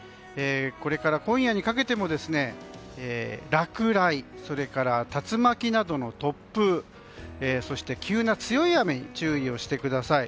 これから今夜にかけても落雷、竜巻などの突風そして急な強い雨に注意をしてください。